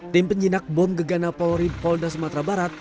tim penjinak bom gegana polri polda sumatera barat